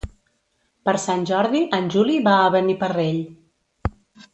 Per Sant Jordi en Juli va a Beniparrell.